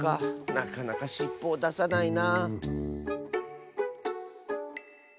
なかなかしっぽをださないな。